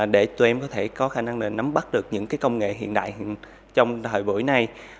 để tụi em có thể có khả năng nắm bắt được những công nghệ hiện đại trong thời buổi này